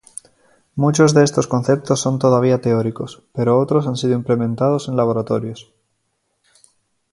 Muchos de esos conceptos son todavía teóricos, pero otros han sido implementados en laboratorios.